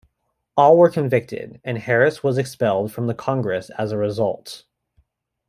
All were convicted, and Harris was expelled from the Congress as a result.